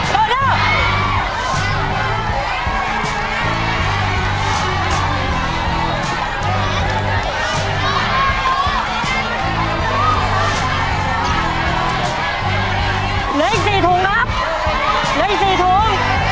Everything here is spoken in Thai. เหลืออีกสี่ถุงครับหลายสี่ถุง